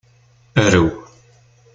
Arew.